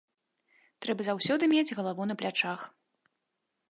Трэба заўсёды мець галаву на плячах.